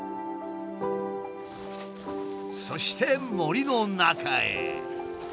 そして森の中へ。